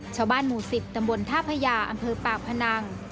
ชาวบ้านหมู่๑๐ตำบลท่าพญาอำเภอปากพนัง